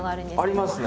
ありますね。